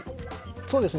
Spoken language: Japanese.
そうですね。